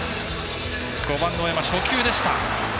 ５番の大山、初球でした。